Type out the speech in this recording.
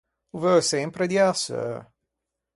O veu sempre dî a seu.